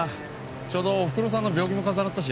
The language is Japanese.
ちょうどおふくろさんの病気も重なったし。